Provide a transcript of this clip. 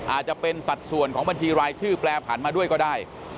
อาจจะเป็นสัดส่วนของบัญชีรายชื่อแปรผันมาด้วยก็ได้